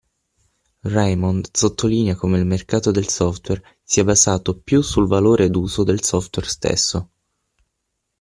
Raymond sottolinea come il mercato del software sia basato più sul valore d'uso del software stesso.